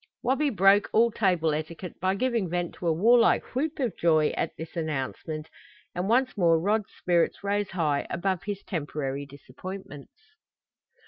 Wabi broke all table etiquette by giving vent to a warlike whoop of joy at this announcement, and once more Rod's spirits rose high above his temporary disappointments.